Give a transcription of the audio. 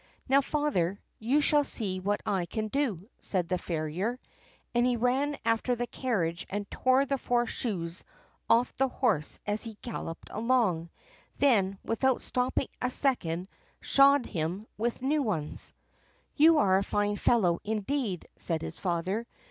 "Now, father, you shall see what I can do," said the farrier, and he ran after the carriage and tore the four shoes off the horse as he galloped along, then, without stopping a second, shod him with new ones. "You are a fine fellow, indeed," said his father.